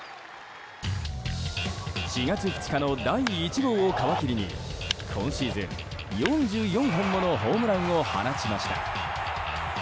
４月２日の第１号を皮切りに今シーズン、４４本ものホームランを放ちました。